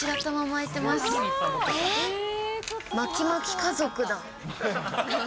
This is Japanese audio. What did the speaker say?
巻き巻き家族だ。